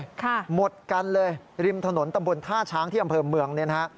หมดกันเลยริมถนนตำบลท่าช้างที่อำเภอเมืองเนี่ยนะฮะ